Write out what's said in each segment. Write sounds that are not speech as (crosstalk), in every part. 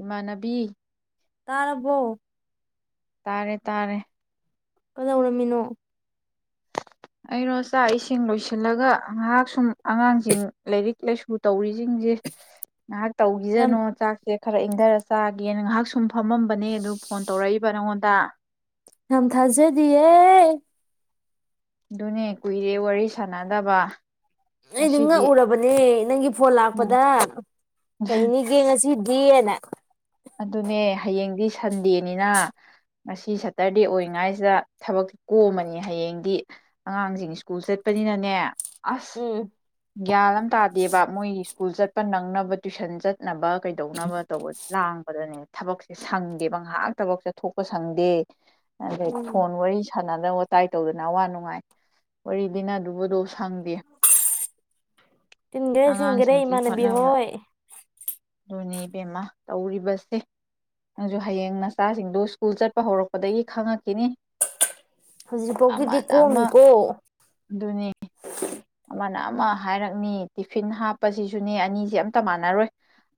ꯏꯃꯥꯟꯅꯕꯤ ꯇꯥꯔꯔꯕꯣ ꯇꯥꯔꯦ ꯇꯥꯔꯦ ꯀꯗꯧꯔꯝꯃꯤꯅꯣ ꯑꯩꯅꯣ ꯆꯥꯛ ꯏꯁꯤꯡ ꯂꯣꯏꯁꯤꯜꯂꯒ ꯉꯥꯏꯍꯥꯛ ꯁꯨꯝ ꯑꯉꯥꯡꯁꯤꯡ ꯂꯥꯏꯔꯤꯛ ꯀꯩꯁꯨ ꯇꯧꯔꯤꯁ ꯁꯤꯡꯁꯦ ꯉꯥꯏꯍꯥꯛ ꯌꯥꯝ ꯇꯧꯈꯤꯖꯅꯣ ꯆꯥꯛꯁꯦ ꯈꯔ ꯏꯪꯊꯔ ꯆꯥꯒꯦꯅ ꯉꯥꯏꯍꯥꯛ ꯁꯨꯝ ꯐꯝꯃꯝꯕꯅꯦ ꯑꯗꯨ ꯐꯣꯟ ꯇꯧꯔꯛꯏꯕ ꯅꯪꯉꯣꯟꯗ ꯅꯝ ꯊꯖꯗꯤꯌꯦꯦ ꯑꯗꯨꯅꯦ ꯀꯨꯏꯔꯦ ꯋꯥꯔꯤ ꯁꯥꯟꯅꯗꯕ ꯑꯩꯗꯤ ꯉꯁꯤꯗꯤ ꯉꯛꯎꯔꯕꯅꯦ ꯅꯪꯒꯤ ꯐꯣꯟ ꯎꯝ ꯂꯥꯛꯄꯗ ꯀꯩꯅꯤꯒꯦ ꯉꯁꯤ ꯤꯌꯦꯅ ꯑꯗꯨꯅꯦ ꯍꯌꯦꯡꯗꯤ ꯁꯟꯗꯦꯅꯤꯅ ꯉꯁꯤ ꯁꯇꯔꯗꯦ ꯑꯣꯏꯔꯤꯉꯥꯏꯁꯤꯗ ꯊꯕꯛꯇꯤ ꯀꯣꯝꯃꯅꯤ ꯍꯌꯦꯡꯗꯤ ꯑꯉꯥꯡꯁꯤꯡ ꯁ꯭ꯀꯨꯜ ꯆꯠꯄꯅꯤꯅꯅꯦ ꯑꯁ ꯎꯝ ꯒ꯭ꯌꯥꯟ ꯑꯃ ꯇꯥꯗꯦꯕ ꯃꯣꯏꯒꯤ ꯁ꯭ꯀꯨꯜ ꯆꯠꯄ ꯅꯪꯅꯕ ꯇ꯭ꯋꯏꯁꯟ ꯆꯠꯅꯕ ꯀꯩꯗꯧꯅꯕ ꯇꯧꯕ ꯂꯥꯡꯕꯗꯅꯦ ꯊꯕꯛꯁꯦ ꯁꯪꯗꯦꯕ ꯉꯥꯏꯍꯥꯛ ꯊꯕꯛ ꯆꯠꯊꯣꯛꯄ ꯁꯪꯗꯦ ꯑꯗꯩ ꯎꯝ ꯐꯣꯟ ꯋꯥꯔꯤ ꯁꯥꯟꯅꯗꯅ ꯋꯥꯋꯇꯥꯏ ꯇꯧꯗꯅ ꯑꯋꯥ ꯅꯨꯡꯉꯥꯏ ꯋꯥꯔꯤ ꯂꯤꯅ ꯑꯗꯨꯕꯨꯗꯣ ꯁꯪꯗꯦ ꯇꯤꯟꯒꯔꯦ ꯆꯤꯡꯒꯔꯦ ꯑꯉꯥꯡꯁꯤꯡꯁꯤ ꯏꯃꯥꯟꯕꯤ ꯍꯣꯠꯅꯕ ꯍꯣꯏ ꯄꯦꯃꯥ ꯇꯧꯔꯤꯕꯁꯦ ꯅꯪꯁꯨ ꯍꯌꯦꯡ ꯅꯆꯥꯁꯤꯡꯗꯣ ꯁ꯭ꯀꯨꯜ ꯆꯠꯄ ꯍꯧꯔꯛꯄꯗꯒꯤ ꯈꯡꯉꯅꯤ ꯍꯧꯖꯤꯛ ꯐꯥꯎꯕꯒꯤꯗꯤ ꯀꯣꯃꯤꯀꯣ ꯑꯗꯨꯅꯦ ꯑꯃꯅ ꯑꯃ ꯍꯥꯏꯔꯛꯅꯤ ꯇꯤꯐꯤꯟ ꯍꯥꯞꯄꯁꯤꯁꯨꯅꯦ ꯑꯅꯤꯁ ꯑꯇꯥ ꯃꯥꯟꯅꯔꯣꯏ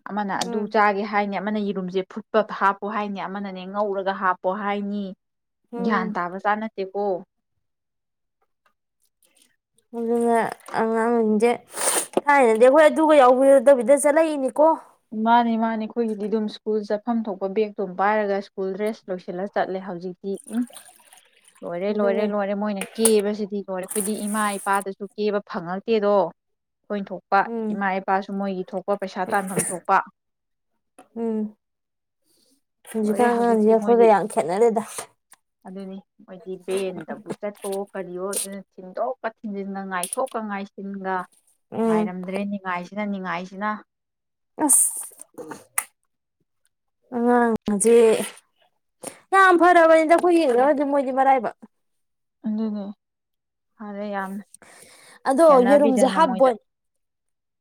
ꯑꯃꯅ ꯑꯗꯨ ꯎꯝ ꯆꯥꯒꯦ ꯍꯥꯏꯅꯤ ꯑꯃꯅ ꯌꯦꯔꯨꯝꯁꯦ ꯐꯨꯠꯄꯥ ꯍꯥꯞꯄꯣ ꯍꯥꯏꯅꯤ ꯑꯃꯅꯅꯥ ꯉꯧꯔꯒ ꯍꯥꯞꯄꯣ ꯍꯥꯏꯅꯤ ꯒ꯭ꯌꯥꯟ ꯎꯝ ꯇꯥꯕ ꯆꯥ ꯅꯠꯇꯦꯀꯣ ꯑꯗꯨꯅ ꯑꯉꯥꯡꯁꯤꯡꯁꯦ ꯊꯥꯏꯅꯗꯤ ꯑꯩꯈꯣꯏ ꯑꯗꯨꯒ ꯌꯥꯎꯕꯤꯔꯛꯇꯕꯤꯗ ꯆꯠꯂꯛꯏꯅꯤꯀꯣ ꯑꯨꯝ ꯃꯥꯅꯦ ꯃꯥꯅꯦ ꯑꯩꯈꯣꯏꯒꯤꯗꯤ ꯑꯗꯨꯝ ꯁ꯭ꯀꯨꯜ ꯆꯠꯐꯝ ꯊꯣꯛꯄ ꯕꯦꯒꯛꯇꯣꯝ ꯄꯥꯏꯔꯒ ꯁ꯭ꯀꯨꯜ ꯗ꯭ꯔꯦꯁ ꯂꯣꯏꯁꯤꯜꯂ ꯆꯠꯂꯦ ꯍꯧꯖꯤꯛꯇꯤ ꯎꯝ ꯂꯣꯏꯔꯦ ꯂꯣꯏꯔꯦ ꯑꯗꯨꯅꯦ ꯂꯣꯏꯔꯦ ꯃꯣꯏꯅꯥ ꯀꯦꯕꯁꯤꯗꯤ ꯔꯣꯏꯔꯦ ꯑꯩꯈꯣꯏꯗꯤ ꯏꯃꯥ ꯏꯄꯥꯗꯁꯨ ꯀꯦꯕ ꯐꯪꯉꯛꯇꯦꯗꯣ ꯑꯩꯈꯣꯅ ꯊꯣꯛꯄ ꯎꯝ ꯏꯃꯥ ꯏꯄꯥꯁꯨ ꯃꯣꯏꯒꯤ ꯊꯣꯛꯄ ꯄꯩꯁꯥ ꯇꯥꯟꯐꯝ ꯊꯣꯛꯄ ꯎꯝ ꯂꯣꯏꯔꯦ ꯍꯧꯖꯤꯛꯀꯥꯟ ꯍꯧꯖꯤꯛꯇꯤ ꯑꯉꯥꯡꯁꯤꯒ ꯑꯩꯈꯣꯏꯒ ꯃꯣꯏꯗꯤ ꯌꯥꯝ ꯈꯦꯠꯅꯔꯦꯗ ꯑꯗꯨꯅꯤ ꯃꯣꯏꯗꯤ ꯕꯦꯟꯗꯕꯨ ꯆꯠꯄꯔꯣ ꯀꯔꯤꯌꯣ ꯑꯗꯨꯅ ꯊꯤꯟꯗꯣꯛ ꯄꯠ ꯊꯤꯟꯖꯤꯟꯒ ꯉꯥꯏꯊꯣꯛꯀ ꯉꯥꯏꯁꯤꯟꯒ ꯎꯝ ꯉꯥꯏꯔꯝꯗ꯭ꯔꯦ ꯅꯤꯉꯥꯏꯁ ꯁꯤꯔꯦ ꯅꯤꯡꯉꯥꯏꯁꯤꯅ ꯑꯥꯁ ꯑꯉꯥꯡꯁꯦ ꯌꯥꯝ ꯐꯔꯕꯅꯤꯗ ꯑꯩꯈꯣꯏ ꯌꯦꯡꯅꯂꯒꯗꯤ ꯃꯣꯏꯗꯤ ꯃꯔꯥꯏꯕꯛ ꯑꯗꯨꯅꯦ ꯑꯗ ꯌꯥꯝ ꯑꯗꯣ ꯌꯦꯔꯨꯝꯁꯦ ꯁꯦꯟꯅꯕꯤꯗꯅ ꯃꯣꯏꯗ ꯍꯥꯞꯄꯣꯏ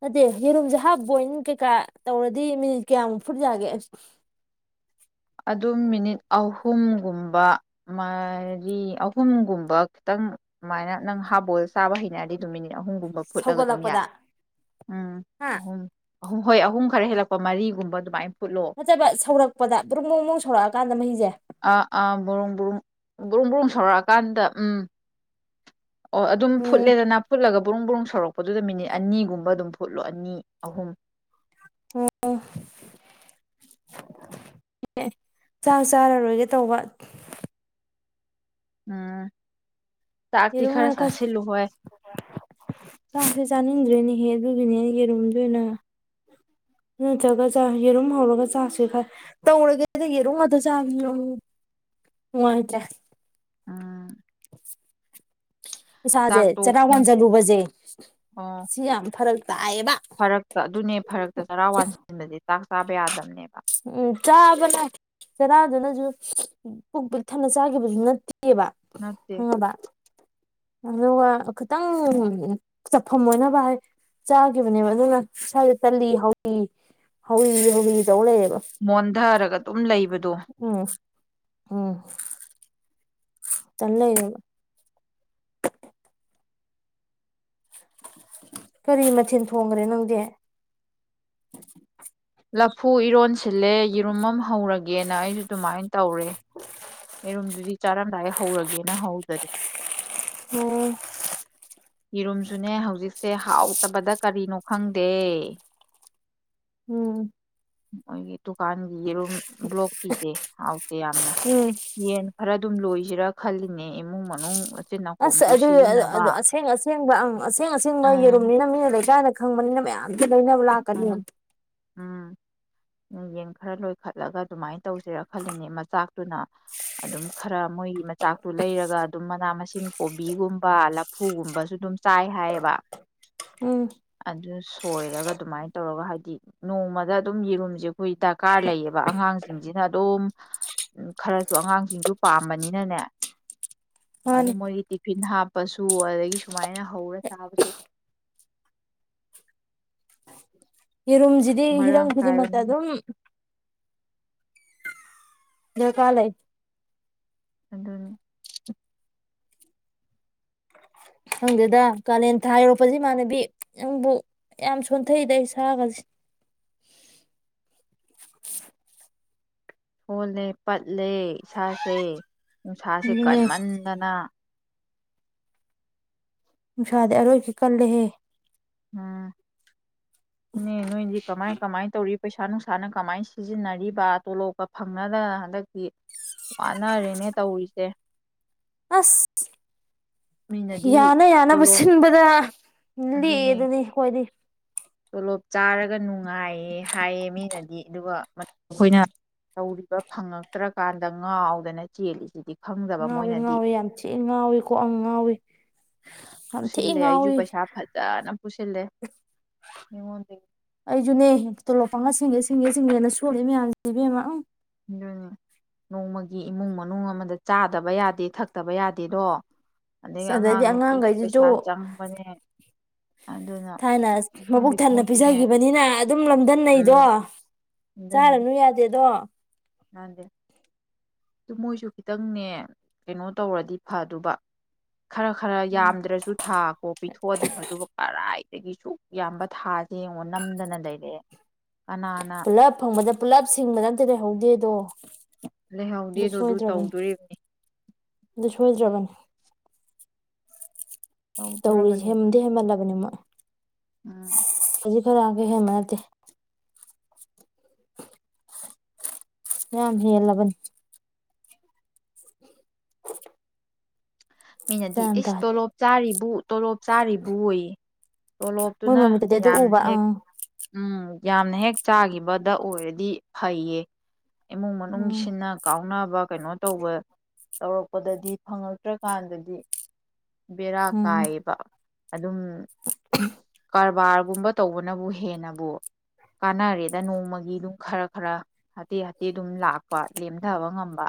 ꯑꯗꯨꯗꯤ ꯌꯦꯔꯨꯝꯁꯦ ꯍꯥꯞ ꯕꯣꯏꯟ ꯀꯩꯀꯥ ꯇꯧꯔꯗꯤ ꯃꯤꯅꯤꯠ ꯀꯌꯥꯃꯨꯛ ꯐꯨꯠꯄꯥ ꯌꯥꯒꯦ ꯑꯥꯁ ꯑꯗꯨꯝ ꯃꯤꯅꯤꯠ ꯑꯍꯨꯝꯒꯨꯝꯕ ꯃꯔꯤ ꯑꯍꯨꯝꯒꯨꯝꯕ ꯈꯤꯇꯪ ꯑꯗꯨꯃꯥꯏꯅ ꯅꯪ ꯍꯥꯞꯕꯣꯜ ꯆꯥꯕ ꯍꯩꯅꯔꯗꯤ ꯑꯗꯨꯝ ꯃꯤꯅꯤꯠ ꯑꯍꯨꯝꯒꯨꯝꯕ ꯐꯨꯠꯂꯒꯥ ꯑꯗꯨꯝ ꯁꯧꯒꯠꯂꯛꯄꯗ ꯌꯥꯏ ꯎꯝ ꯍꯥ ꯑꯍꯨꯝ ꯍꯣꯏ ꯑꯍꯨꯝ ꯈꯔ ꯍꯦꯜꯂꯛꯄ ꯃꯔꯤꯒꯨꯝꯕ ꯑꯗꯨꯃꯥꯏꯅ ꯐꯨꯠꯂꯣ ꯐꯖꯅꯥ ꯁꯧꯔꯛꯄꯗ ꯕ꯭ꯔꯨꯡ ꯁꯧꯔꯛꯑꯀꯥꯟꯗ ꯃꯍꯁꯦ ꯕ꯭ꯔꯨꯝ ꯕ꯭ꯔꯨꯡ ꯁꯧꯔꯛꯑꯀꯥꯟꯗ ꯎꯨꯝ ꯑꯣ ꯑꯗꯨꯝ ꯎꯝ ꯐꯨꯠꯦꯗꯅ ꯐꯨꯠꯂꯒ ꯄꯕꯨꯡ ꯕꯨꯡ ꯁꯧꯔꯛꯄꯗꯨꯗ ꯃꯤꯅꯤꯠ ꯑꯅꯤꯒꯨꯝꯕ ꯑꯗꯨꯝ ꯐꯨꯠꯂꯣ ꯑꯅꯤ ꯑꯍꯨꯝ ꯑꯣ ꯑꯣ ꯆꯥꯛ ꯆꯥꯔꯔꯣꯏꯒꯦ ꯇꯧꯕ ꯎꯨꯝ ꯌꯦꯔꯨꯝ ꯑꯣꯏꯅ ꯈꯔ ꯆꯥꯛꯁꯦ ꯆꯅꯤꯗ꯭ꯔꯦꯅꯤꯍꯦ ꯑꯗꯨꯒꯤꯅꯦ ꯌꯦꯔꯨꯝꯗ ꯑꯣꯏꯅ ꯅꯠꯇ꯭ꯔꯒ ꯆ ꯌꯦꯔꯨꯝ ꯍꯧꯔꯒ ꯆꯥꯁꯤ ꯈꯔ ꯇꯧꯔꯒꯦꯗ ꯌꯦꯔꯨꯝ ꯉꯥꯛꯇ ꯆꯥꯕꯤ ꯅꯨꯡꯉꯥꯏꯇ꯭ꯔꯦ ꯎꯝ (inaudible) ꯏꯁꯥꯁꯦ ꯆꯥꯛꯇꯣ ꯆꯔ ꯄꯨꯡ ꯋꯥꯟꯁꯤꯜꯂꯨꯕꯁꯦ ꯑꯣ ꯁꯤ ꯌꯥꯝ ꯐꯔꯛ ꯇꯥꯏꯌꯦꯕ ꯐꯔꯛꯇ ꯑꯗꯨꯅꯦ ꯐꯔꯛꯇ ꯆꯔꯥ ꯋꯥꯟꯁꯤꯟꯕꯗꯤ ꯁꯥꯕꯦ ꯌꯥꯗꯝꯅꯦ ꯎꯝ ꯆꯥꯕ ꯂ ꯆꯔꯥꯗꯨꯅꯁꯨ ꯄꯨꯛ ꯄꯛ ꯊꯟꯅ ꯆꯥꯈꯤꯕꯁꯨ ꯅꯠꯇꯦ ꯕ ꯅꯠꯇꯦ ꯈꯪꯉꯕ ꯑꯗꯨꯒ ꯈꯤꯇꯪ ꯆꯠꯐꯝ ꯑꯣꯏꯅꯕ ꯍꯥꯏ ꯆꯥꯈꯤꯕꯅꯦꯕ ꯑꯗꯨꯅ ꯁ꯭ꯋꯥꯏꯗ ꯇꯜꯂꯤ ꯍꯧꯥꯎꯤ ꯍꯧꯥꯎꯤ ꯍꯧꯤ ꯇꯧ ꯂꯩꯌꯦꯕ ꯃꯣꯟꯗꯥꯔꯒꯗ ꯑꯗꯨꯝ ꯂꯩꯕ ꯎ ꯎꯝ ꯆꯂꯩꯅ ꯀꯔꯤ ꯃꯊꯦꯜ ꯊꯣꯡꯈ꯭ꯔꯦ ꯅꯪꯗꯤ ꯂꯐꯨ ꯏꯔꯣꯟꯁ ꯁꯤꯜꯂꯦ ꯌꯦꯔꯨꯝ ꯑꯃ ꯍꯧꯔꯒꯦ ꯌꯦꯦꯅ ꯑꯩꯁꯨ ꯑꯗꯨꯃꯥꯏꯅ ꯇꯧꯔꯦ ꯑꯩꯔꯨꯝꯗꯨꯗꯤ ꯆꯥꯔꯝꯗꯥꯏ ꯍꯧꯔꯒꯦꯅ ꯍꯧꯖꯔꯤ ꯑꯣ ꯌꯦꯔꯨꯝꯁꯨꯅꯦ ꯍꯧꯖꯤꯛꯁꯦ ꯍꯥꯎꯇꯕꯗ ꯀꯔꯤꯅꯣ ꯈꯪꯗꯦ ꯎꯝ ꯃꯣꯏꯒꯤ ꯗꯨꯀꯥꯟꯒꯤ ꯑꯗꯨꯨꯝ ꯕ꯭ꯂꯣꯛꯀꯤꯁꯦꯥꯎ ꯌꯥꯝꯅ ꯎꯝ ꯌꯦꯟ ꯈꯔ ꯑꯗꯨꯝ ꯂꯣꯏꯁꯤꯔꯥ ꯈꯜꯂꯤꯅꯦ ꯏꯃꯨꯡ ꯃꯅꯨꯡ ꯁꯤ ꯅꯥꯀꯣꯝꯁꯨ ꯁꯤꯖꯤꯟꯅꯕ ꯑ ꯑꯁꯦꯡꯕ ꯑꯁꯦꯡ ꯑꯁꯦꯡꯕ ꯎꯝ ꯌꯦꯔꯨꯝꯅꯤꯅ ꯃꯤꯅ ꯂꯩꯀꯥꯏꯗ ꯈꯪꯕꯅꯤꯅ ꯃꯌꯥꯝ ꯑꯗꯨ ꯂꯩꯅꯕꯨꯂ ꯀꯅꯤ ꯎꯝ ꯎꯝ ꯎ ꯌꯦꯟ ꯈꯔ ꯂꯣꯏꯈꯠꯂꯒ ꯑꯗꯨꯃꯥꯏꯅ ꯇꯧꯁꯤꯔꯥ ꯈꯜꯂꯤꯅꯦ ꯃꯆꯥꯛꯇꯨꯅ ꯑꯗꯨꯝ ꯈꯔ ꯃꯣꯏꯒꯤ ꯃꯆꯥꯛꯇꯨ ꯂꯩꯔꯒ ꯑꯗꯨꯝ ꯃꯅꯥ ꯃꯁꯤꯡ ꯀꯣꯕꯤꯒꯨꯝꯕ ꯂꯐꯨꯒꯨꯝꯕꯁꯨ ꯑꯗꯨꯝ ꯆꯥꯏ ꯍꯥꯏꯌꯦꯕ ꯎꯝ ꯑꯗꯨ ꯁꯣꯏꯔꯒ ꯑꯗꯨꯃꯥꯏꯅ ꯇꯧꯔꯒ ꯍꯥꯏꯕꯗꯤ ꯅꯣꯡꯃꯗ ꯑꯗꯨꯝ ꯌꯦꯔꯨꯝꯁꯦ ꯑꯩꯈꯣꯏ ꯗꯔꯀꯥꯔ ꯂꯩꯌꯦꯕ ꯑꯉꯥꯡꯁꯤꯡꯁꯤꯅ ꯑꯗꯨꯝ ꯈꯔꯁꯨ ꯑꯉꯥꯡꯁꯤꯡꯁꯨ ꯄꯥꯝꯕꯅꯤꯅꯅꯦ ꯑꯗꯨ ꯃꯥꯅꯤ ꯃꯣꯏ ꯇ ꯐꯤꯟ ꯍꯥꯞꯄꯁꯨ ꯑꯗꯒꯤ ꯁꯨꯃꯥꯏꯅ ꯍꯧꯔ ꯁꯥꯕꯁꯨ ꯌꯦꯔꯨꯝꯁꯤꯗꯤ ꯍꯤꯔꯝ ꯈꯨꯗꯤꯡꯃꯛꯇ ꯀꯥꯏꯕꯅꯤꯅ ꯑꯗꯨꯝ ꯅ ꯀꯥꯂꯥꯏ ꯑꯗꯨ ꯈꯪꯗꯦꯗ ꯀꯥꯂꯦꯟ ꯊꯥ ꯌꯔꯣꯛꯄꯁꯤ ꯏꯃꯥꯟꯅꯕꯤ ꯅꯪꯕꯨ ꯌꯥꯝ ꯁꯣꯟꯊꯩꯩꯗ ꯑꯩ ꯁꯥꯒꯁꯦ ꯍꯣꯜꯂꯦ ꯄꯠꯂꯦ ꯏꯁꯥꯁꯦ ꯅꯨꯡꯁꯥꯁꯦ ꯑꯗꯨꯅꯦ ꯀꯟꯃꯟꯗꯅ ꯅꯨꯡꯁꯥꯗꯤ ꯑꯔꯣꯏꯕꯤ ꯀꯜꯂꯦꯍꯦ ꯎꯝ ꯅꯦ ꯅꯣꯏꯗꯤ ꯀꯃꯥꯏ ꯀꯃꯥꯏꯅ ꯇꯧꯔꯤ ꯄꯩꯁꯥ ꯅꯨꯡꯁꯥꯅ ꯀꯃꯥꯏꯅ ꯁꯤꯖꯤꯟꯅꯔꯤꯕ ꯇꯣꯂꯣꯞꯄ ꯐꯪꯅꯗꯅ ꯍꯟꯗꯛꯇꯤ ꯋꯥꯅꯔꯦꯅꯦ ꯇꯧꯔꯤꯁꯦ ꯑꯁ ꯃꯤꯅꯗꯤ ꯌꯥꯅ ꯌꯥꯕꯨ ꯇꯣꯂꯣꯞ ꯁꯤꯟꯕꯗ ꯑꯗꯨꯅꯦ ꯂꯦꯛꯑꯦꯗꯨꯅꯤ ꯈꯣꯏꯗꯤ ꯇꯣꯂꯣꯞ ꯆꯥꯔꯒ ꯅꯨꯡꯉꯥꯏꯌꯦ ꯍꯥꯏꯌꯦ ꯃꯤꯅꯗꯤ ꯑꯗꯨꯒ ꯑꯩꯈꯣꯏꯅ ꯇꯧꯔꯤꯕ ꯐꯪꯉꯛꯇ꯭ꯔꯀꯥꯟꯗ ꯉꯥꯎꯗꯅ ꯆꯦꯜꯂꯤꯁꯤꯗꯤ ꯈꯪꯗꯕ ꯉꯥꯎꯋꯤ ꯃꯣꯏꯅꯗꯤ ꯉꯥꯎꯋꯤ ꯌꯥꯝ ꯊꯤ ꯉꯥꯎꯋꯤꯀꯣ ꯑ ꯉꯥꯎꯋꯤ ꯄꯨꯁꯤꯜꯂꯦ ꯑꯩꯁꯨ ꯄꯩꯁꯥ ꯐꯖꯅ ꯄꯨꯁꯤꯜꯂꯦ ꯃꯤꯉꯣꯟꯗꯒꯤ ꯑꯩꯖꯨꯅꯦ ꯇꯣꯂꯣꯞ ꯐꯪꯉ ꯁꯤꯡꯒꯦ ꯁꯤꯡꯒꯦ ꯁꯤꯡꯒꯦꯅ ꯁꯣꯜꯂꯤ ꯃꯌꯥꯝꯖꯤꯗꯤ ꯏꯕꯦꯝꯃ ꯅꯣꯡꯃꯒꯤ ꯏꯃꯨꯡ ꯃꯅꯨꯡ ꯑꯃꯗ ꯆꯥꯗꯕ ꯌꯥꯗꯦ ꯊꯛꯇꯕ ꯌꯥꯗꯦꯗꯣ ꯑꯁ ꯑꯗꯒꯤ ꯑꯗꯩꯗꯤ ꯑꯉꯥꯡ ꯅꯨꯕꯤꯒꯤ ꯑꯉꯥꯡꯈꯩꯁꯤꯁꯨ ꯄꯩꯁꯥ ꯆꯪꯕꯅꯦ ꯑꯗꯨꯅ ꯊꯥꯏꯅ ꯃꯕꯨꯛ ꯊꯟꯅ ꯃꯣꯏꯁꯨꯅꯦ ꯄꯤꯖꯈꯤꯕꯅꯤꯅ ꯑꯗꯨꯝ ꯂꯝꯗꯟꯅꯩꯗꯣ ꯎꯝ ꯆꯥꯔꯅꯨ ꯌꯥꯗꯦꯗꯣ ꯃꯥꯟꯗꯦ ꯑꯗꯨ ꯃꯣꯏꯁꯨ ꯈꯤꯇꯪꯅꯦ ꯀꯩꯅꯣ ꯇꯧꯔꯗꯤ ꯐꯗꯨꯕ ꯈꯔ ꯈꯔ ꯎꯝ ꯌꯥꯝꯗ꯭ꯔꯁꯨ ꯊꯥ ꯀꯣ ꯄꯤꯊꯣꯛꯑꯗꯤ ꯐ ꯑꯗꯨꯕꯨ ꯀꯔꯥꯏ ꯑꯗꯒꯤ ꯁꯨꯛ ꯌꯥꯝꯕ ꯊꯥꯁꯦ ꯌꯦꯡꯉꯣ ꯅꯝꯗꯅ ꯂꯩꯔꯛꯑꯦ ꯀꯅꯥꯅ ꯄꯨꯜꯂꯞ ꯐꯪꯕꯗ ꯄꯨꯂꯞ ꯁꯤꯡꯕꯗ ꯑꯝꯇ ꯂꯩꯍꯧꯗꯦꯗꯣ ꯑꯗꯨ ꯂꯩꯍꯧꯗꯦꯗꯣ ꯇꯧꯗꯣꯔꯤꯕꯅꯤ ꯁꯣꯏꯗ꯭ꯔꯕꯅꯤ ꯁꯣꯏꯗ꯭ꯔꯕꯅꯤ ꯇꯧꯔꯤꯁꯦ ꯇꯧꯗꯣꯔꯕꯅꯤꯗ ꯍꯦꯟꯗꯤ ꯍꯦꯃꯜꯂꯕꯅꯤ ꯃꯣꯏ ꯎꯝ ꯈꯖꯤꯛ ꯈꯔꯥꯛꯇ ꯍꯦꯟꯕ ꯅꯠꯇꯦ ꯌꯥꯝ ꯍꯦꯜꯂꯕꯕꯅꯤ ꯃꯤꯅꯗꯤ ꯒ꯭ꯌꯥꯟ ꯏꯁ ꯇꯥꯗꯦ ꯇꯣꯂꯣꯞ ꯆꯥꯔꯤꯕꯨ (inaudible) ꯆꯥꯔꯤꯕꯨ ꯑꯣꯏꯌꯦ ꯃꯣꯏ ꯇꯣꯂꯣꯞꯇꯨꯅ ꯃꯃꯤꯠꯇꯗꯤ ꯑꯗꯨ ꯌꯥꯝ ꯎꯕ ꯍꯦꯛ ꯑꯪ ꯎꯝ ꯌꯥꯝꯅ ꯍꯦꯛ ꯆꯥꯈꯤꯕꯗ ꯑꯣꯏꯔꯗꯤ ꯐꯩꯌꯦ ꯏꯃꯨꯡ ꯎꯝ ꯃꯅꯨꯡꯁꯤꯅ ꯀꯥꯎꯅꯕ ꯀꯩꯅꯣ ꯇꯧꯕ ꯇꯧꯔꯛꯄꯗꯗꯤ ꯐꯪꯉꯛ ꯐꯪꯗ꯭ꯔꯀꯥꯟꯗꯗꯤ ꯔꯥ ꯎꯝ ꯀꯥꯏꯕ ꯑꯗꯨꯝ ꯎꯝ ꯀꯔꯕꯥꯔꯒꯨꯝꯕ ꯇꯧꯕꯅꯕꯨ ꯍꯦꯟꯅꯕꯨ ꯀꯥꯟꯅꯔꯦꯗ ꯅꯣꯡꯃꯒꯤ ꯑꯗꯨꯝ ꯈꯔ ꯈꯔ ꯍꯥꯇꯦ ꯍꯥꯇꯦ ꯑꯗꯨꯝ ꯂꯥꯛꯄ ꯂꯦꯝꯊꯕ ꯉꯝꯕ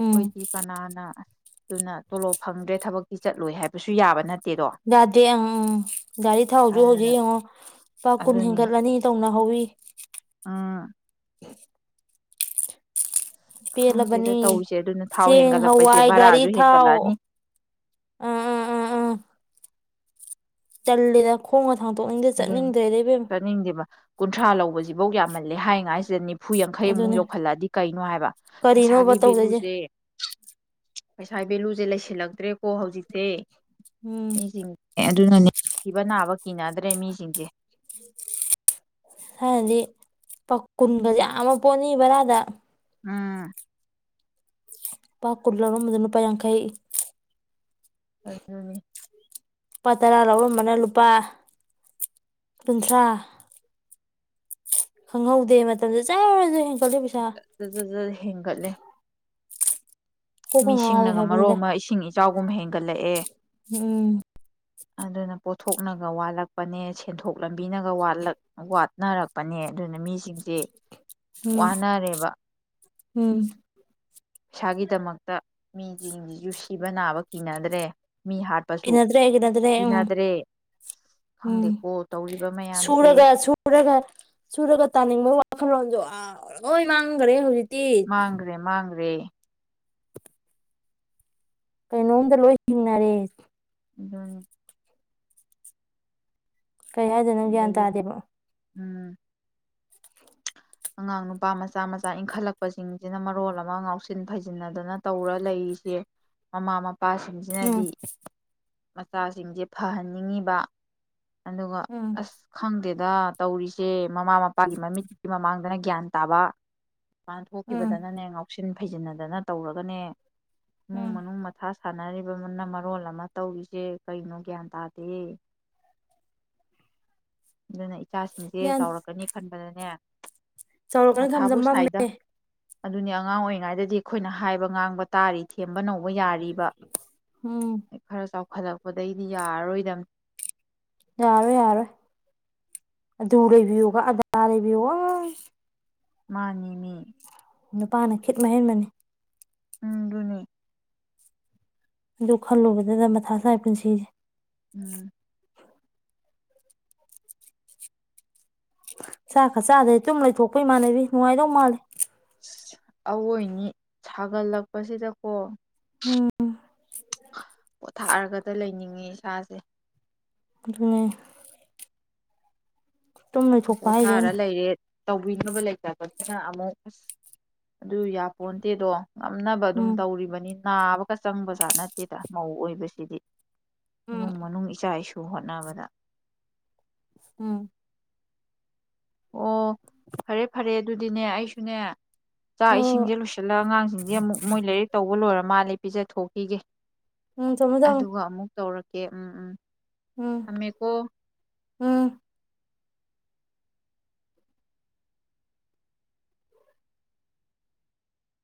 ꯎꯝ ꯀꯅꯥꯅ ꯑꯗꯨꯅ ꯇꯣꯂꯣꯞ ꯐꯪꯗ꯭ꯔꯦ ꯊꯕꯛꯇꯤ ꯆꯠꯂꯣꯏ ꯍꯥꯏꯕꯁꯨ ꯌꯥꯕ ꯅꯠꯇꯦ ꯌꯥꯗꯦ ꯑꯪ ꯎꯝ ꯒꯥꯔꯤ ꯊꯥꯎꯁꯨ ꯍꯧꯖꯤꯛ ꯑꯗꯨꯅ ꯌꯦꯡꯉꯣ ꯂꯨꯄꯥ ꯀꯨꯟ ꯍꯦꯟꯒꯠꯂꯅꯤ ꯇꯧꯅ ꯍꯧꯏ ꯑꯥ ꯈꯪꯗꯦꯗ ꯄꯦꯜꯂꯕꯅꯤ ꯇꯧꯔꯤꯁꯦ ꯑꯗꯨꯅ ꯊꯥꯎ ꯆꯦꯡ ꯍꯦꯟꯒꯠꯂꯛꯄꯁꯦ ꯍꯋꯥꯏ ꯒꯥꯔꯤ ꯚꯔꯥꯁꯨ ꯊꯥꯎ ꯍꯦꯟꯒꯠꯂꯛꯑꯅꯤ ꯑꯥ ꯑꯥ ꯑꯥ ꯑꯥ ꯆꯂꯗ ꯈꯣꯡ ꯊꯥꯡꯗꯣꯛꯅꯤꯡꯗꯦ ꯑꯗꯨꯅꯤ ꯆꯠꯅꯤꯡꯗꯦ ꯔꯦꯕꯦꯝ ꯆꯥꯅꯤꯡꯗꯦꯕ ꯀꯨꯟꯊ꯭ꯔꯥ ꯂꯧꯕꯁꯤꯐꯧ ꯌꯥꯝꯃꯜꯂꯦ ꯍꯥꯏꯉꯥꯏꯁꯤꯗꯅꯤ ꯍꯐꯨ ꯌꯥꯡꯈꯩꯃꯨꯛ ꯑꯗꯨꯅꯦ ꯌꯣꯛꯈꯠꯂꯛꯑꯗꯤ ꯀꯩꯅꯣ ꯍꯥꯏꯕ ꯀꯔꯤꯅꯣꯕ ꯄꯩꯁꯥꯒꯤ ꯇꯧꯗꯣꯏꯁꯦ ꯚꯦꯂꯨꯁꯦ ꯄꯩꯁꯥ ꯚꯦꯂꯨꯁꯦ ꯂꯩꯁꯤꯜꯂꯛꯇ꯭ꯔꯦꯀꯣ ꯍꯧꯖꯤꯛꯁꯦ ꯎꯝ ꯊꯕꯅꯥꯕ ꯀꯅꯗ꯭ꯔ ꯔꯦꯃꯤꯁꯤꯡꯁꯦ ꯍꯥꯏꯅꯗꯤ ꯄ ꯀꯨꯟꯒꯁꯦ ꯌꯥꯝ ꯑꯃ ꯄꯣꯅꯤ ꯕꯔꯥꯗ ꯎꯝ ꯄꯥ ꯀꯔꯂꯅꯣ ꯃꯗꯨꯅ ꯄꯡꯈ ꯑꯗꯨꯅꯦ ꯂꯨꯄꯥ ꯇꯔꯥ ꯂꯧꯔꯝꯕꯅ ꯂꯨꯄꯥ ꯀꯨꯟꯊ꯭ꯔꯥ ꯈꯪꯍꯧꯗꯦ ꯃꯇꯝꯗ ꯆꯥꯨꯔꯁꯨ (inaudible) ꯒꯠꯂꯦ ꯀꯣꯛꯀ ꯉꯥꯎꯋꯦ ꯃꯤꯁꯤꯡꯅꯒ ꯃꯔꯣ ꯍꯥꯏꯕꯅꯤꯗ ꯑꯃ ꯏꯁꯤꯡ ꯏ ꯆꯒꯨꯝ ꯍꯦꯟꯒꯠꯂꯛꯑꯦ ꯎꯝ ꯑꯗꯨꯅ ꯄꯣꯠꯊꯣꯛꯅꯒ ꯋꯥꯠꯂꯛꯄꯅꯦ ꯁꯦꯟꯊꯣꯛ ꯂꯝꯕꯤꯅꯒꯠ ꯋꯥꯠꯅꯔꯛꯄꯅꯦ ꯑꯗꯨꯅ ꯃꯤꯁꯤꯡꯁꯦ ꯎꯝ ꯋꯥꯅꯔꯦꯕ ꯎꯝ ꯏꯁꯥꯒꯤꯗꯃꯛꯇ ꯃꯤꯁꯤꯡꯁꯤꯁꯨ ꯁꯤꯕ ꯅꯥꯕ ꯀꯤꯅꯗ꯭ꯔꯦ ꯃꯤ ꯍꯥꯠꯄꯁꯨ ꯀꯤꯅꯗ꯭ꯔꯦ ꯀꯤꯅꯗ꯭ꯔꯦ ꯎꯝ ꯎꯝ ꯈꯪꯗꯦꯀꯣ ꯇꯧꯔꯤꯕ ꯃꯌꯥꯝꯁꯦ ꯁꯨꯔꯒ ꯁꯨꯔꯒ ꯁꯨꯔꯒ ꯇꯥꯅꯤꯡꯕꯒꯤ ꯋꯥꯈꯜꯂꯣꯟꯗꯣ ꯑꯣꯏ ꯋꯥꯥꯡꯒꯔꯦ ꯍꯧꯖꯤ ꯃꯥꯥꯡꯒ꯭ꯔꯦ ꯃꯥꯥꯡꯒ ꯔꯦ ꯀꯩꯅꯣꯝꯇ ꯂꯣꯏ ꯍꯤꯡꯅꯔꯦ ꯎꯝ ꯀꯩ ꯍꯥꯏꯗꯅꯪ ꯒ꯭ꯌꯥꯟ ꯑꯗꯒꯤꯗꯤ ꯇꯥꯗꯦꯕ ꯎꯝ ꯑꯉꯥꯡ ꯅꯨꯄꯥ ꯃꯆꯥ ꯃꯆꯥ ꯏꯟꯈꯠꯂꯛꯄꯁꯤꯡꯁꯤꯅ ꯃꯔꯣꯜ ꯑꯃ ꯉꯥꯎꯁꯤꯟ ꯐꯩꯖꯤꯟꯅꯗꯅ ꯇꯧꯔ ꯂꯩꯔꯤꯁꯦ ꯃꯃꯥ ꯃ ꯎꯝ ꯏꯄꯥꯁꯤꯡꯁꯤꯅꯗꯤ ꯃꯆꯥꯁꯤꯡꯁꯦ ꯐꯍꯟꯅꯤꯡꯉꯤꯕ ꯑꯗꯨꯒ ꯎꯝ ꯑꯁ ꯈꯪꯗꯦ ꯗ ꯇꯧꯔꯤꯁꯦ ꯃꯃꯥ ꯃꯄꯥꯒꯤ ꯃꯃꯤꯠꯀꯤ ꯃꯃꯥꯡꯗ ꯑꯗꯨꯅ ꯒ꯭ꯌꯥꯟ ꯇꯥꯕ ꯃꯥꯥꯟ ꯎꯝ ꯊꯣꯛꯈꯤꯕꯗꯅꯅꯦ ꯉꯥꯎ ꯟ ꯐꯩꯖꯤꯟꯅꯗꯅ ꯇꯧꯔꯒꯅꯦ ꯅꯨꯡ ꯎꯝ ꯃꯅꯨꯡ ꯃꯊꯥ ꯁꯥꯅꯔꯤꯕꯅ ꯃꯔꯣꯜ ꯑꯃ ꯇꯧꯔꯤꯁꯦ ꯀꯅꯣ ꯒ꯭ꯌꯥꯟ ꯇꯥꯗꯦ ꯑꯗꯨꯅ ꯏꯆꯥꯁꯤꯡꯁꯦ ꯆꯥꯎꯔꯛꯀꯅꯤ ꯈꯟꯕꯗꯅꯦ ꯆꯥꯎꯔꯛꯀꯅ ꯃꯊꯥꯕꯨ ꯈꯝꯖꯃꯝꯃꯦ ꯁꯥꯏꯗ ꯑꯗꯨꯅꯤ ꯑꯉꯥꯡ ꯑꯣꯏꯔꯤꯉꯩꯗꯗꯤ ꯑꯩꯈꯣꯏꯅ ꯍꯥꯏꯕ ꯉꯥꯡꯕ ꯇꯥꯔꯤ ꯊꯦꯝꯕꯅꯧ ꯇꯧꯕ ꯌꯥꯔꯤꯕ ꯎꯝ ꯈꯔ ꯆꯥꯎꯈꯠ ꯄꯨꯈꯠꯂꯛꯄꯗꯒꯤꯩꯗꯤ ꯌꯥꯔꯔꯣꯏꯗꯕꯅꯤ ꯌꯥꯔꯣꯏ ꯌꯥꯔꯣꯏ ꯑꯗꯨ ꯂꯩꯕꯤꯌꯨꯕ ꯑꯗꯥ ꯂꯩꯕꯤꯌꯨ ꯃꯥꯅꯤꯃꯤ ꯅꯨꯄꯥꯅ ꯈꯤꯠ ꯃꯍꯦꯟꯕꯅꯤ ꯎꯝ ꯅꯤ ꯑꯗꯨ ꯈꯜꯂꯨꯕꯗꯨꯗ ꯃꯊ ꯁꯥꯏ ꯄꯨꯟꯁꯤꯁꯦ ꯎꯝ ꯆꯥꯛ ꯈ ꯆꯥꯗꯩ ꯆꯨꯝ ꯂꯩꯊꯣꯛꯄ ꯏꯃꯥꯟꯅꯕꯤ ꯅꯨꯡꯉꯥꯏꯗꯧ ꯃꯥꯜꯂꯦ ꯑꯋꯣꯏꯅꯤ ꯁꯥꯒꯠꯂꯛꯄꯁꯤꯗꯀꯣ ꯎꯝ ꯄꯣꯊꯥꯔꯒꯗ ꯂꯩꯅꯤꯡꯉꯦ ꯏꯁꯥꯁꯦ ꯑꯗꯨꯅꯦ ꯇꯨꯝ ꯂꯣꯏꯊꯣꯛꯄ ꯍꯥꯏꯁꯦ ꯄꯣꯊꯥꯔ ꯑꯩꯅ ꯂꯩꯔꯦ ꯇꯧꯕꯤꯅꯕ ꯂꯩꯇꯕꯅꯤꯅ ꯑꯃꯨꯛ ꯑꯁ ꯑꯗꯨ ꯌꯥ ꯄꯣꯟꯗꯦꯗꯣ ꯉꯝꯅꯕ ꯑꯗꯨꯝ ꯎꯝ ꯇꯧꯔꯤꯕꯅꯤ ꯅꯥꯕꯒ ꯆꯪꯕꯖꯥꯠ ꯅꯠꯇꯦꯗ ꯃꯧ ꯑꯣꯏꯕꯁꯤꯗꯤ ꯎꯝ ꯏꯃꯨꯡ ꯃꯅꯨꯡ ꯏꯆꯥ ꯏꯁꯨ ꯑꯗꯨꯨ ꯍꯣꯠꯅꯕꯗ ꯎꯝ ꯑꯣ ꯐꯔꯦ ꯐꯔꯦ ꯑꯗꯨꯗꯤꯅꯦ ꯑꯩꯁꯨꯅꯦ ꯆꯥꯛ ꯍꯣꯏ ꯍꯣꯏ ꯏꯁꯤꯡꯁꯦ ꯂꯣꯏꯁꯤꯜꯂꯒ ꯑꯉꯥꯡꯁꯤꯡꯁꯦ ꯑꯃꯨꯛ ꯃꯣꯏ ꯂꯥꯏꯔꯤꯛ ꯇꯧꯕ ꯂꯣꯏꯔ ꯃꯥꯜꯂꯦ ꯄꯤꯖ ꯊꯣꯛꯣꯛꯈꯤꯒꯦ ꯎꯝ ꯊꯝꯃꯣ ꯊꯝꯃꯣ ꯑꯗꯨꯒ ꯑꯃꯨꯛ ꯇꯧꯔꯛ ꯀꯦ ꯎꯝ ꯎꯝ ꯎꯝ ꯊꯝꯃꯦꯀꯣ ꯎꯝ